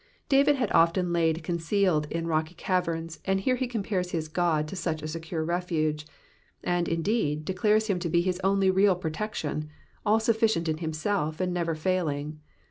David had often lain concealed in rocky caverns, and here he compares his God to such a secure refuse ; and, indeed, declares him to be his only real protection, all sufficient in himself and never failing.